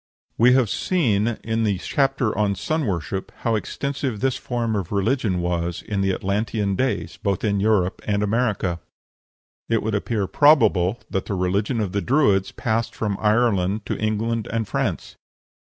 We have seen in the chapter on sun worship how extensive this form of religion was in the Atlantean days, both in Europe and America. It would appear probable that the religion of the Druids passed from Ireland to England and France.